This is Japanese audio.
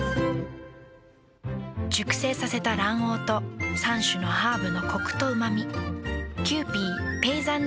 熟成させた卵黄と３種のハーブのコクとうま味。